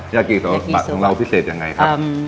ยากีต่อบัตรของเราพิเศษยังไงครับ